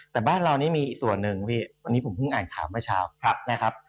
แต่บ้านเรานี้มีอีกส่วนหนึ่งวันนี้ผมพึ่งอ่านข่าวเมื่อเช้า